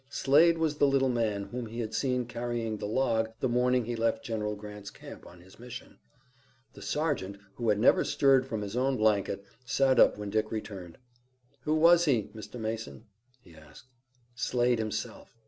Slade was the little man whom he had seen carrying the log the morning he left General Grant's camp, on his mission. The sergeant, who had never stirred from his own blanket, sat up when Dick returned. "Who was he, Mr. Mason?" he asked. "Slade himself.